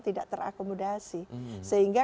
tidak terakomodasi sehingga